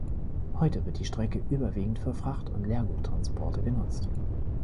Heute wird die Strecke überwiegend für Fracht- und Leerguttransporte genutzt.